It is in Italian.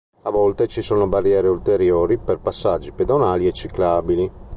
A volte ci sono barriere ulteriori per passaggi pedonali e ciclabili.